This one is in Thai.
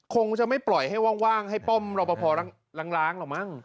คงจะไม่ปล่อยให้ว่างให้ป้อมรอปภล้างหรอกมั้ง